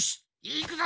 いくぞ。